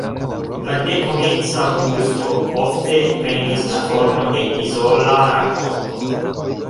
La dekomenca bluso ofte prenis la formon de izola rakonto.